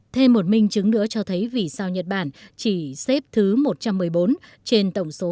thêm một minh chứng nữa cho thấy vì sao nhật bản chỉ xếp thứ một trăm một mươi bốn trên tổng số